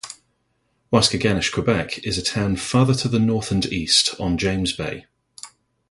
Waskaganish, Quebec, is a town farther to the north and east on James Bay.